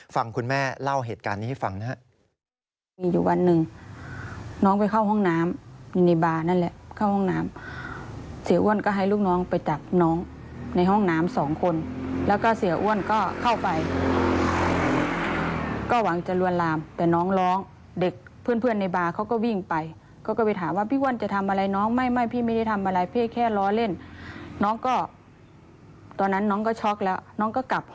ฟังคุณแม่เล่าเหตุการณ์นี้ให้ฟังนะครับ